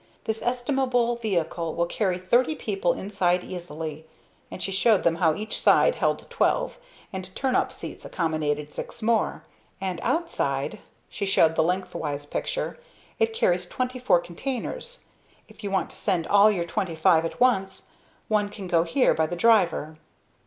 This estimable vehicle will carry thirty people inside easily," and she showed them how each side held twelve, and turn up seats accommodated six more; "and outside," she showed the lengthwise picture "it carries twenty four containers. If you want to send all your twenty five at once, one can go here by the driver.